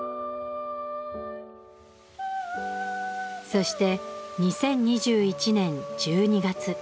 そして２０２１年１２月。